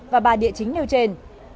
và bà địa chính nêu trên